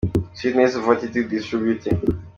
Sweetness of attitude is true beauty.